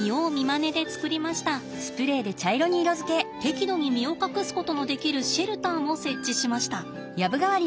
適度に身を隠すことのできるシェルターも設置しました。